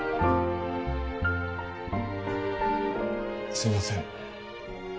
すいません